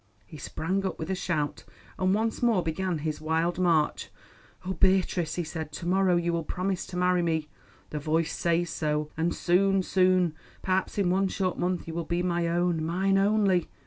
He sprang up with a shout, and once more began his wild march. "Oh, Beatrice!" he said, "to morrow you will promise to marry me; the Voice says so, and soon, soon, perhaps in one short month, you will be my own—mine only!